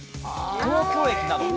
東京駅など。